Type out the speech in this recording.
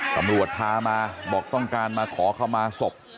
ตำรวจพามาบอกต้องการมาขอเข้ามาศพ